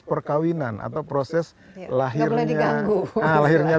perkawinan atau proses lahirnya